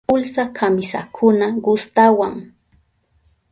Pulsa kamisakuna gustawan.